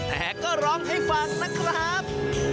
แต่ก็ร้องให้ฟังนะครับ